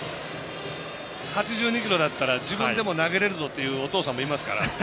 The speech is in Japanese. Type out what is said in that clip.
８２キロだったら自分でも投げれるぞっていうお父さんもいますから。